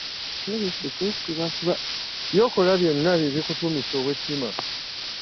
By'okola bonna bye bikutuumisa ow'ettima.